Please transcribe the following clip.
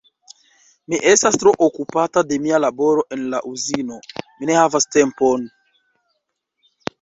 Mi estas tro okupata de mia laboro en la Uzino, mi ne havas tempon...